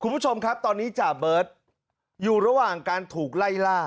คุณผู้ชมครับตอนนี้จ่าเบิร์ตอยู่ระหว่างการถูกไล่ล่า